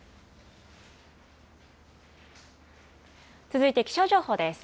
続いて気象情報です。